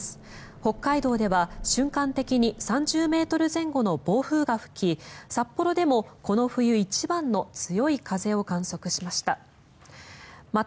北海道では瞬間的に３０ｍ前後の暴風が吹き札幌でもこの冬一番の強い風を観測しました。